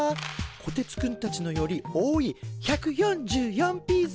こてつくんたちのより多い１４４ピース！